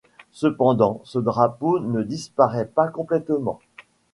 Cependant, ce drapeau ne disparait pas complètement.